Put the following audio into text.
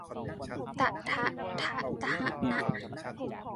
ตะถะทะธะนะ